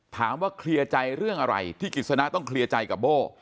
ถามว่าเคลียร์ใจเรื่องอะไรที่กิจสนะต้องเคลียร์ใจกับโบ้